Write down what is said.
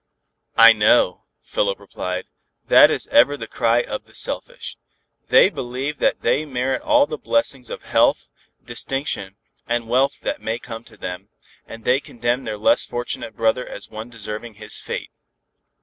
"I know," Philip replied, "that is ever the cry of the selfish. They believe that they merit all the blessings of health, distinction and wealth that may come to them, and they condemn their less fortunate brother as one deserving his fate.